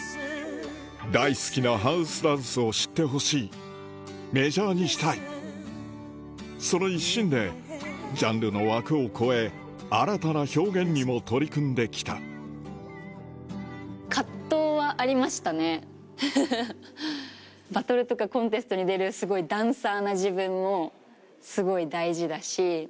大好きなハウスダンスを知ってほしいメジャーにしたいその一心でジャンルの枠を超え新たな表現にも取り組んできたバトルとかコンテストに出るすごいダンサーな自分もすごい大事だし。